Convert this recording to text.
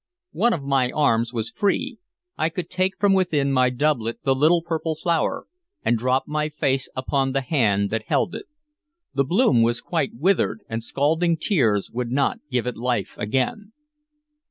One of my arms was free; I could take from within my doublet the little purple flower, and drop my face upon the hand that held it. The bloom was quite withered, and scalding tears would not give it life again.